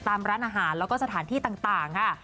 ตามร้านอาหารแล้วก็สถานที่ต่างค่ะ